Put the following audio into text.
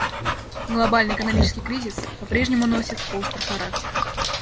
Глобальный экономический кризис попрежнему носит острый характер.